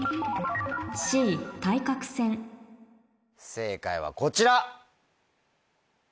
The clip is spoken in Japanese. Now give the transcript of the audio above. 正解はこちら。